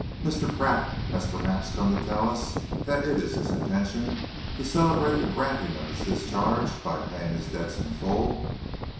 "Mr. Pratt has perhaps come to tell us that it is his intention to celebrate the granting of his discharge by paying his debts in full."